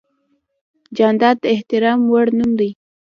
جانداد د احترام وړ نوم دی.